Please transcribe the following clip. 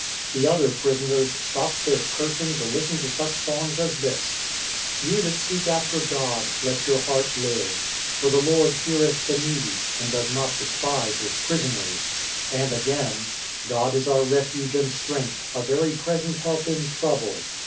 The other prisoners stopped their cursing to listen to such songs as this : "You that seek after God Let your heart live. For the Lord heareth the needy And does not despise his prisoners." and again : "God is our refuge and strength, A very present help in trouble.